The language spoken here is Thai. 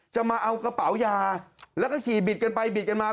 จะมาเอากระเป๋ายาแล้วก็ขี่บิดกันไปบิดกันมา